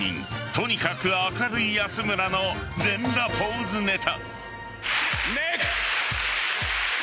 とにかく明るい安村の全裸ポーズネタ。